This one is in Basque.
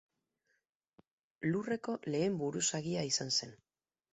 Lurreko lehen buruzagia izan zen.